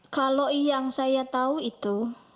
kalau yang saya tahu itu